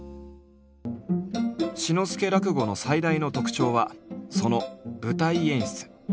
「志の輔らくご」の最大の特徴はその舞台演出。